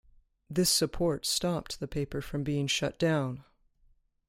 This support stopped the paper from being shut down.